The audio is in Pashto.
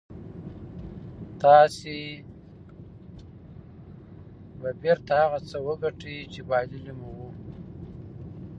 تاسې به بېرته هغه څه وګټئ چې بايللي مو وو.